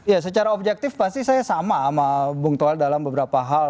ya secara objektif pasti saya sama sama bung toel dalam beberapa hal